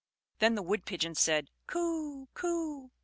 Then the Wood pigeons said, "Coo! Coo!